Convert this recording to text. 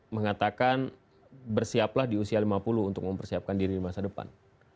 mengatakan bersiaplah di usia lima puluh untuk mempersiapkan diri di masa depan